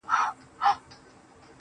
پايزېب به دركړمه د سترگو توره.